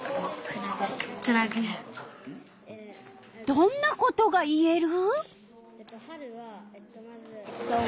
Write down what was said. どんなことが言える？